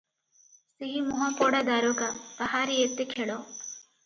ସେହି ମୁହଁପୋଡ଼ା ଦାରୋଗା; ତାହାରି ଏତେ ଖେଳ ।